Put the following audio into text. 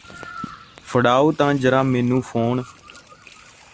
ਫੜਾਓ ਤਾਂ ਜ਼ਰਾ ਮੈਨੂੰ ਫੋਨ